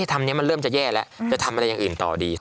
ทำมาเยอะมากครับผมครับ